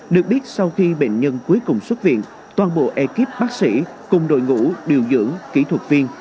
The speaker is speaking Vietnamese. được biết sau khi bệnh nhân cuối cùng xuất viện toàn bộ ekip bác sĩ cùng đội ngũ điều dưỡng kỹ thuật viên